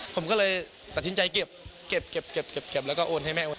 ผมก็เลยตัดสินใจเก็บแล้วก็โอนให้แม่โอน